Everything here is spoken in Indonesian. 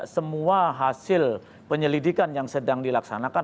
semua hasil penyelidikan yang sedang dilaksanakan